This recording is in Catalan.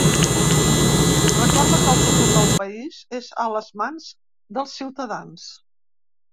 Recorda que ‘el futur del país és a les mans dels ciutadans’.